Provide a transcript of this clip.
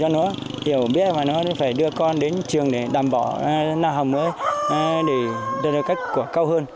khi nó đưa con đi học mà tiện trường cho nó thì họ biết mà nó phải đưa con đến trường để đảm bỏ làm học mới để đưa được kết quả cao hơn